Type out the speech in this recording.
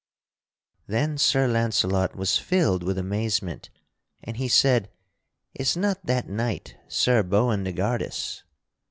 Then Sir Launcelot was filled with amazement, and he said: "Is not that knight Sir Boindegardus?"